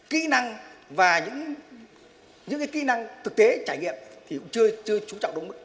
kỹ năng và những kỹ năng thực tế trải nghiệm thì cũng chưa trú trọng đúng mức